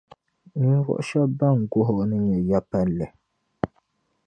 ninvuɣ’ shɛb’ bɛn guhi’ o ni nya ya’ palli.